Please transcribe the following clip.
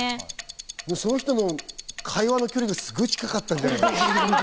その人の会話の距離がすごい近かったんじゃない？